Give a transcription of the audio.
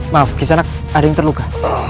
maaf kisanak ada yang terluka